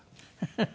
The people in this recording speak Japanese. フフフ。